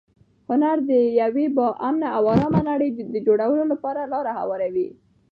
هنر د یوې با امنه او ارامه نړۍ د جوړولو لپاره لاره هواروي.